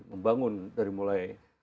membangun dari mulai